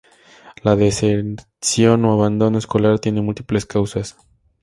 La deserción o abandono escolar tiene múltiples causas.